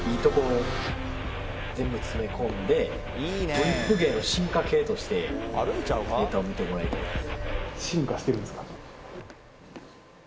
フリップ芸の進化系としてネタを見てもらいたいです。